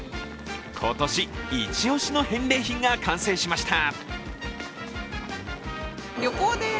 今年、一押しの返礼品が完成しました。